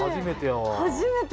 初めて！